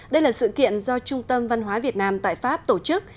đây là sự kiện do trung tâm văn hóa việt nam tại pháp tổ chức